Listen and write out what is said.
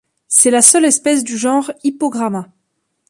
C'est la seule espèce du genre Hypogramma.